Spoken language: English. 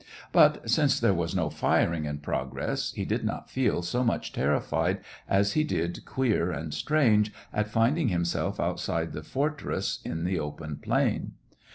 But, since there was no firing in progress, he did not feel so much terrified as he did queer and strange at finding himself outside the fortress, in the open plain.